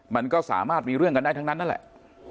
มันก็สามารถมีเรื่องกันได้ทั้งนั้นนั่นแหละ